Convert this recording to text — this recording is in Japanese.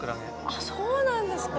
あそうなんですか。